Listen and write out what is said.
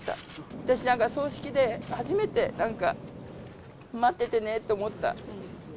私なんか、葬式で初めてなんか待っててねって思った。